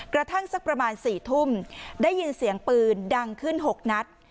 กระทั่งสักประมาณสี่ทุ่มได้ยินเสียงปืนดังขึ้นหกนัด